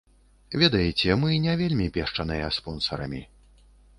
Ведаеце, мы не вельмі пешчаныя спонсарамі.